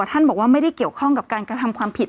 ท่านบอกว่าไม่ได้เกี่ยวข้องกับการกระทำความผิด